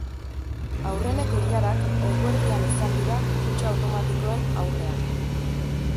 Aurreneko ilarak eguerdian izan dira kutxa automatikoen aurrean.